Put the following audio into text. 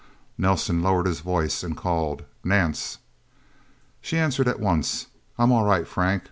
Nelsen lowered his voice and called, "Nance?" She answered at once. "I'm all right, Frank.